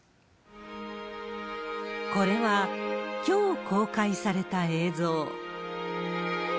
これは、きょう公開された映像。